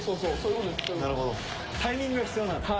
タイミングが必要なんですね。